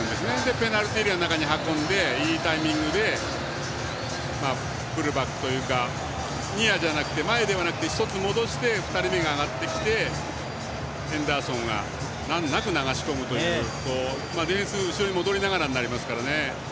ペナルティーエリアの中に運んで、いいタイミングでフルバックというかニアじゃなくて前ではなくて１つ戻して２人目が上がってきてヘンダーソンが難なく、流し込むというディフェンス後ろに戻りながらになりますからね。